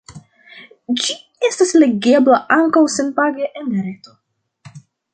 Ĝi estas legebla ankaŭ senpage en la reto.